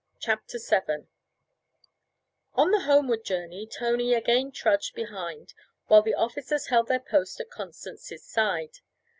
CHAPTER VII On the homeward journey Tony again trudged behind while the officers held their post at Constance's side.